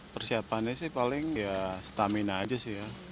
persiapannya sih paling stamina aja sih